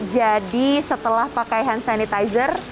jadi setelah pakaian sanitizer